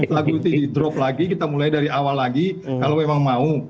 lagu itu di drop lagi kita mulai dari awal lagi kalau memang mau